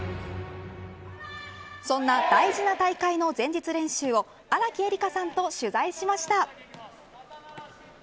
そんな大事な大会の前日練習を荒木絵里香さんと取材しました。